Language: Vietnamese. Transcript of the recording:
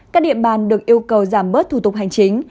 các địa bàn được yêu cầu giảm bớt thủ tục hành chính